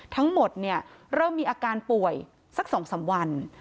ทั้งหมดเนี่ยเริ่มมีอาการป่วยสัก๒๓วัน